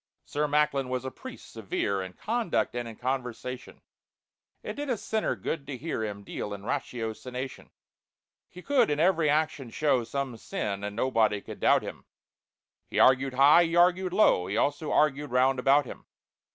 SIR MACKLIN was a priest severe In conduct and in conversation, It did a sinner good to hear Him deal in ratiocination. He could in every action show Some sin, and nobody could doubt him. He argued high, he argued low, He also argued round about him.